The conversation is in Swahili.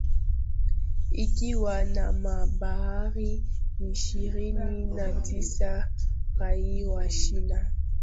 ikiwa na mabaharia ishirini na tisa raia wa china